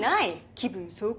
気分爽快。